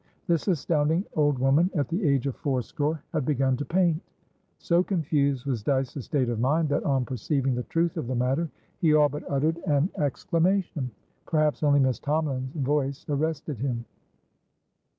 This astounding old woman, at the age of four score, had begun to paint? So confused was Dyce's state of mind, that, on perceiving the truth of the matter, he all but uttered an exclamation. Perhaps only Miss Tomalin's voice arrested him.